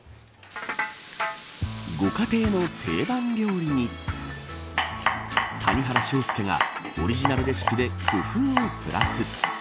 ご家庭のテイバン料理に谷原章介がオリジナルレシピで工夫をプラス。